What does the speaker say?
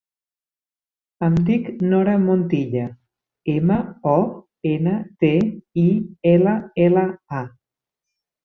Em dic Nora Montilla: ema, o, ena, te, i, ela, ela, a.